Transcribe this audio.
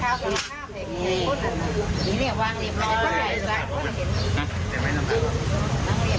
ไม่เอาแกงเป็นหวังแกงนี่ก็แกงยั่นอยู่